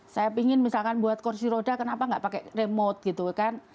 saya pingin misalkan buat kursi roda kenapa nggak pakai remote gitu kan